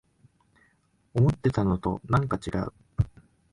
思ってたのとなんかちがう